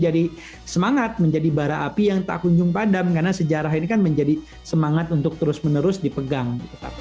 jadi semangat menjadi bara api yang tak kunjung padam karena sejarah ini kan menjadi semangat untuk terus menerus dipegang